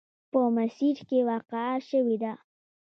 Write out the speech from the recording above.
په مسیر کې واقع شوې وه.